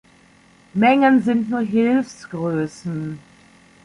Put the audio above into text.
Mengen sind nur Hilfsgrößen.